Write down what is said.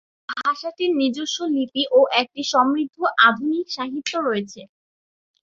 ভাষাটির নিজস্ব লিপি ও একটি সমৃদ্ধ আধুনিক সাহিত্য রয়েছে।